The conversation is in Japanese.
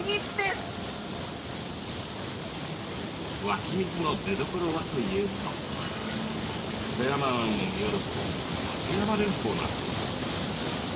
湧き水の出どころはというと富山湾を見下ろす立山連峰なんです。